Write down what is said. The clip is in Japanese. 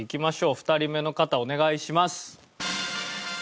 ２人目の方お願いします。